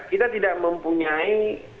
kita tidak mempunyai